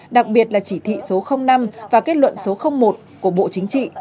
đặc biệt là chỉ thị số năm và kết luận số một của bộ chính trị